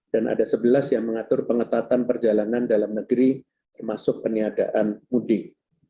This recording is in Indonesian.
dan ada sebelas yang mengatur pengetatan perjalanan dalam negeri termasuk peniadaan mudik